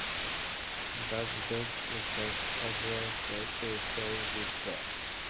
Theodosius sent Arbogastes to Trier to slay Victor.